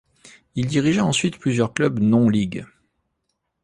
Il dirigea ensuite plusieurs clubs non league.